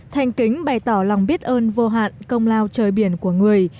thanh kính bày tỏ lòng biết ơn vô hạn công lao trời biển của người